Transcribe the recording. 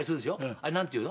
あれ何ていうの？